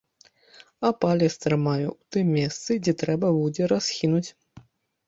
А палец трымае ў тым месцы, дзе трэба будзе расхінуць.